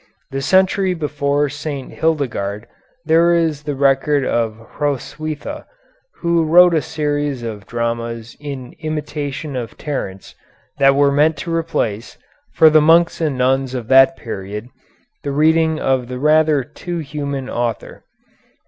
The century before St. Hildegarde there is the record of Hroswitha, who wrote a series of dramas in imitation of Terence, that were meant to replace, for the monks and nuns of that period, the reading of that rather too human author.